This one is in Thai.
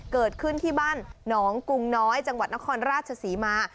เกิดขึ้นที่บ้านหนองกุงน้อยจังหวัดนครราชศรีมา